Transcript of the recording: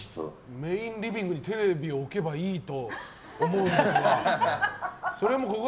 メインリビングに、テレビを置けばいいと思うんですが。